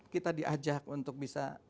kita diajak untuk bisa